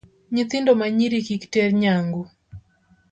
Nyithindo manyiri kik ter nyangu.